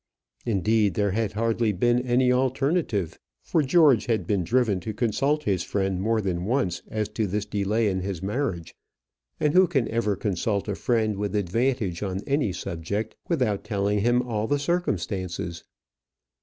Indeed, there had been hardly any alternative, for George had been driven to consult his friend more than once as to this delay in his marriage; and who can ever consult a friend with advantage on any subject without telling him all the circumstances?